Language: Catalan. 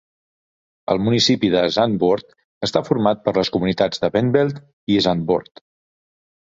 El municipi de Zandvoort està format per les comunitats de Bentveld i Zandvoort.